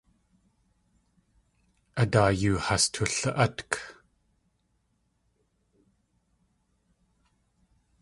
A daa yoo has tuli.átk.